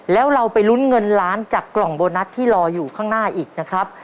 แล้วเราไปลุ้นเงินล้านจากกล่องโบนัสที่รออยู่ข้างหน้าอีกนะครับ